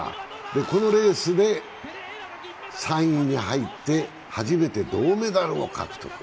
このレースで３位に入って初めて銅メダルを獲得。